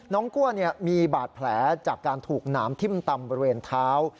กลัวมีบาดแผลจากการถูกหนามทิ้มตำบริเวณเท้า